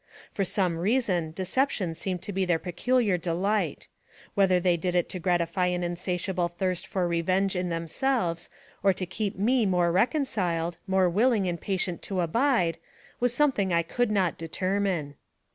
For some reason deception seemed to be their peculiar delight ; whether they did it to gratify an insatiable thirst for revenge in themselves, or to keep me more reconciled, more willing and patient to abide, was something I could not determine.